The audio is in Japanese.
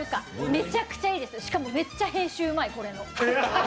めちゃくちゃいいです、しかもめっちゃ編集うまい、これの。